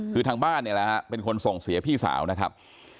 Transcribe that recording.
คือทางบ้านเป็นคนส่งเสียพี่สาวนะครับ